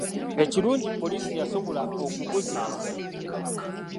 Ekirungi poliisi yasobola okuguzikiza.